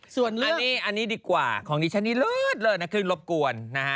ส่วนเลือกอันนี้ดีกว่าของดิฉันนี้เลือดเลยนะคือรบกวนนะฮะ